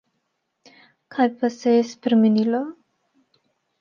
Kaj pa se je spremenilo?